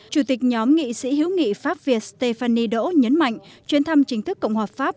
chủ tịch nhóm nghị sĩ hữu nghị pháp việt stéphane đỗ nhấn mạnh chuyến thăm chính thức cộng hòa pháp